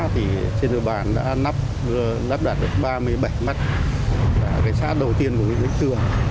trên địa bàn toàn xã thì trên địa bàn đã nắp đặt được ba mươi bảy mắt và cái xác đầu tiên của cái đánh tường